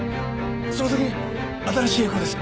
その先に新しいエコーです。